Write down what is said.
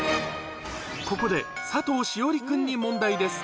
ここで、佐藤栞里君に問題です。